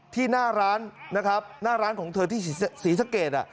หน้าร้านนะครับหน้าร้านของเธอที่ศรีสะเกด